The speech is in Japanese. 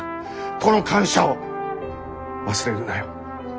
この感謝を忘れるなよ。